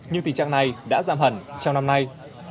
nhưng tình trạng này đã giảm hẳn trong năm nay